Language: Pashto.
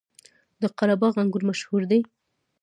د قره باغ انګور مشهور دي